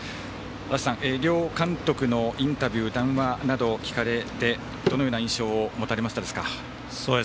足達さん、両監督のインタビュー談話などを聞かれてどのような印象を持たれましたか？